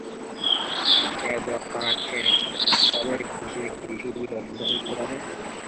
কে তোয়াক্কা রাখে কবে কিসে কী সুবিধা অসুবিধা হইতে পারে?